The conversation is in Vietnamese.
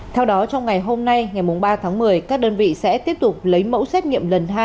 theo đó trong ngày hôm nay ngày ba tháng một mươi các đơn vị sẽ tiếp tục lấy mẫu xét nghiệm lần hai